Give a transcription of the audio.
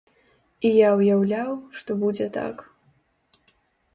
І я ўяўляў, што будзе так.